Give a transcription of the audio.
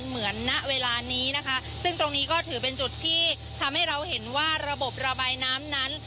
ณเวลานี้นะคะซึ่งตรงนี้ก็ถือเป็นจุดที่ทำให้เราเห็นว่าระบบระบายน้ำนั้น